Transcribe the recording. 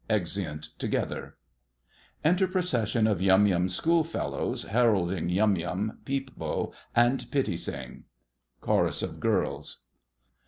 [Exeunt together. Enter procession of Yum Yum's schoolfellows, heralding Yum Yum, Peep Bo, and Pitti Sing. CHORUS OF GIRLS.